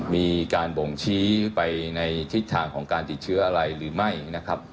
มีการบ่งชี้ไปในทิศทางของการติดเชื้ออะไรหรือไม่นะครับ